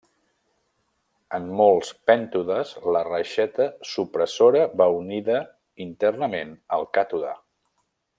En molts pèntodes la reixeta supressora va unida internament al càtode.